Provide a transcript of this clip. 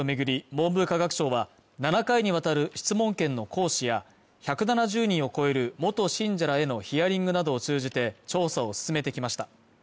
文部科学省は７回にわたる質問権の行使や１７０人を超える元信者らへのヒアリングなどを通じて調査を進めてきました